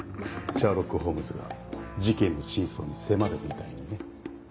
シャーロック・ホームズが事件の真相に迫るみたいにね。